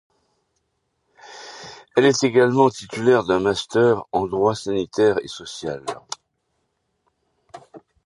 Elle est également titulaire d'un master en droit sanitaire et social.